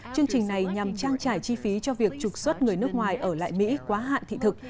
chương trình này nhằm trang trải chi phí cho việc trục xuất người nước ngoài ở lại mỹ quá hạn thị thực